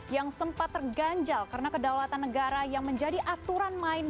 yang sempat terganjal karena kedaulatan negara yang menjadi aturan main